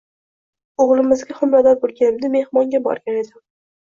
O`g`limizga homilador bo`lganimda mehmonga borgan edim